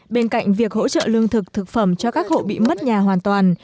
bên cạnh việc hỗ trợ lương thực thực phẩm cho các hộ bị mất nhà hoàn toàn